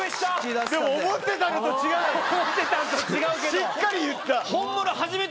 しっかり言った。